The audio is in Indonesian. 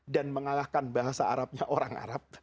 dan mengalahkan bahasa arabnya orang arab